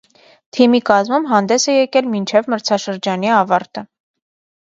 Թիմի կազմում հանդես է եկել մինչև մրցաշրջանի ավարտը։